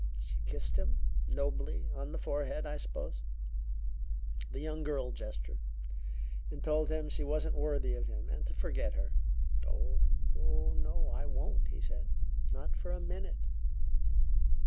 She kissed him nobly on the forehead, I suppose the young girl gesture; and told him she wasn't worthy of him and to forget her. "'Oh, no, I won't,' he said. 'Not for a minute!